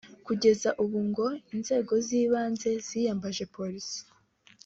Kugeza ubu ngo inzego z’ibanze ziyambaje Polisi